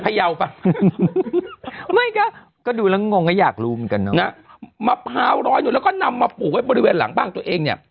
ป่ะไม่ก็ดูแล้วงงก็อยากรู้เหมือนกันเนอะนะมะพร้าวร้อยหนึ่งแล้วก็นำมาปลูกไว้บริเวณหลังบ้านตัวเองเนี่ย